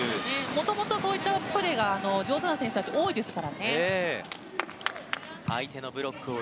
もともとそういったプレーが上手な選手たちが多いですからね。